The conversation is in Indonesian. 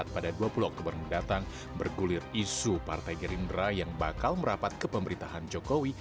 dua ribu dua puluh empat pada dua puluh oktober mendatang bergulir isu partai gerindra yang bakal merapat ke pemerintahan jokowi